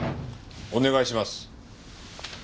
お願いします。